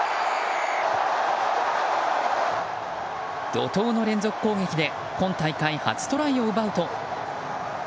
怒涛の連続攻撃で今大会初トライを奪うと。